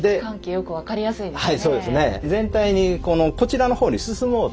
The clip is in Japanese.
よく分かりやすいですね。